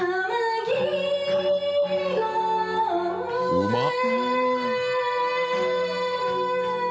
うまっ。